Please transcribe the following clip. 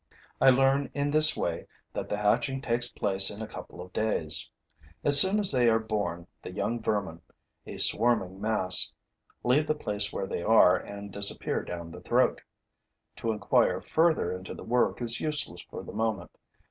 I learn in this way that the hatching takes place in a couple of days. As soon as they are born, the young vermin, a swarming mass, leave the place where they are and disappear down the throat. To inquire further into the work is useless for the moment.